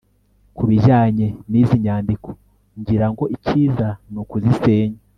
kubijyanye nizi nyandiko, ngira ngo icyiza nukuzisenya